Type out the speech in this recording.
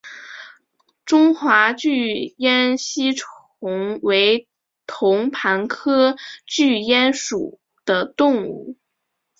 中华巨咽吸虫为同盘科巨咽属的动物。